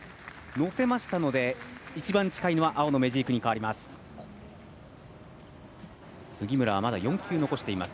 乗せましたので一番近いのは青のメジークに変わります。